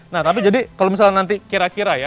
nah tapi jadi kalau misalnya nanti kira kira ya